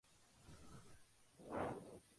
Nunca consiguió un amplia aceptación.